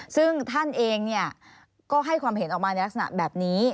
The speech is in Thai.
ซึ่งท่านเองก็ให้ความเห็นออกมาในลักษณะแบบนี้